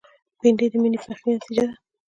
بېنډۍ د میني پخلي نتیجه ده